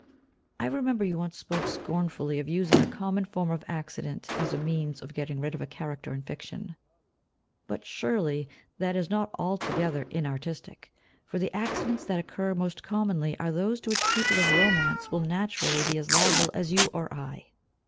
I remember you once spoke scornfully of using a common form of accident as a means of getting rid of a character in fiction; but surely that is not altogether inartistic, for the accidents that occur most commonly are those to which the people of romance will naturally be as liable as you or I.